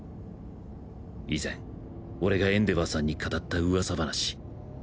以前俺がエンデヴァーさんに語った噂話。